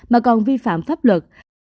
mà còn vi phạm pháp luật